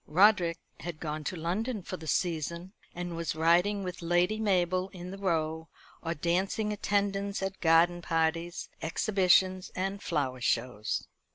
Roderick had gone to London for the season, and was riding with Lady Mabel in the Row, or dancing attendance at garden parties, exhibitions, and flower shows.